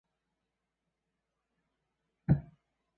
御嵩町为岐阜县可儿郡的町。